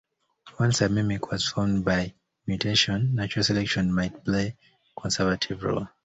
Once a mimic was formed by mutation, natural selection might play a conservative role.